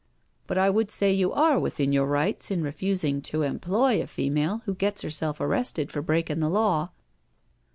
But I would say you are within your rights in refusing to employ a female who gets 'erself arrested for break in' the law.